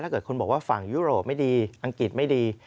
ถ้าเกิดคุณบอกว่าฝั่งยุโรปไม่ดีอังกฤษไม่ดี